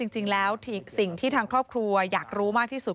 จริงแล้วสิ่งที่ทางครอบครัวอยากรู้มากที่สุด